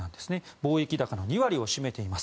貿易高の２割を占めています。